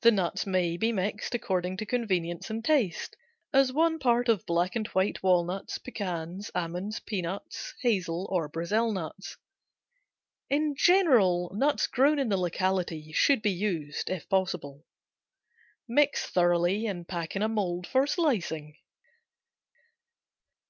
The nuts may be mixed according to convenience and taste, as one part of black and white walnuts, pecans, almonds, peanuts, hazel or Brazil nuts. In general nuts grown in the locality should be used. Mix thoroughly and pack in a mold for slicing.